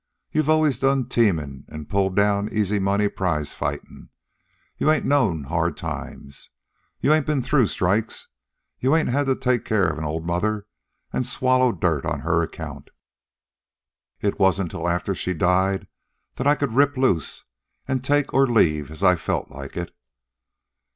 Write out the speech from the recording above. You've always done teamin' an' pulled down easy money prizefightin'. You ain't known hard times. You ain't ben through strikes. You ain't had to take care of an old mother an' swallow dirt on her account. It wasn't until after she died that I could rip loose an' take or leave as I felt like it.